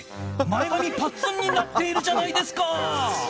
前髪ぱっつんになっているじゃないですか。